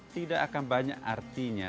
tidak akan banyak artinya